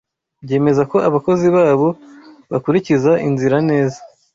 byemeza ko abakozi babo bakurikiza inzira neza